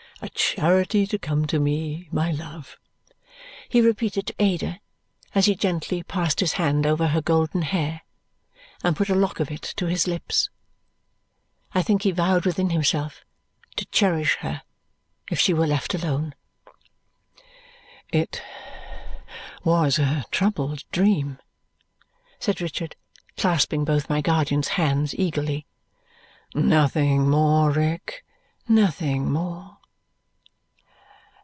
A charity to come to me, my love!" he repeated to Ada as he gently passed his hand over her golden hair and put a lock of it to his lips. (I think he vowed within himself to cherish her if she were left alone.) "It was a troubled dream?" said Richard, clasping both my guardian's hands eagerly. "Nothing more, Rick; nothing more."